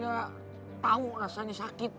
biar dia tau rasanya sakit